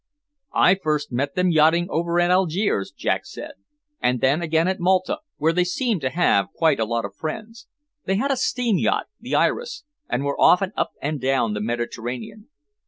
"I first met them yachting over at Algiers," Jack said. "And then again at Malta, where they seemed to have quite a lot of friends. They had a steam yacht, the Iris, and were often up and down the Mediterranean."